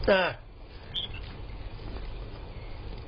เออ